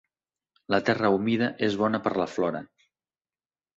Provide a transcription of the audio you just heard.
La terra humida es bona per la flora.